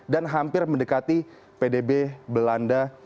dan hampir mendekati pdb belanda